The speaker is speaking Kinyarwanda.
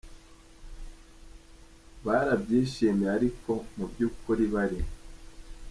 Barabyishimiye, ariko mu by’ukuri bari.